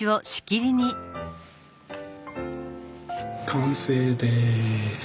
完成です。